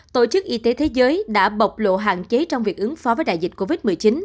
tổ chức y tế thế giới đã bộc lộ hạn chế trong việc ứng phó với đại dịch covid một mươi chín